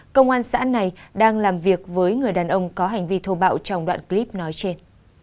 công an xã này đang làm việc với người đàn ông có hành vi thô bạo trong đoạn clip nói trên